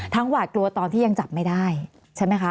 หวาดกลัวตอนที่ยังจับไม่ได้ใช่ไหมคะ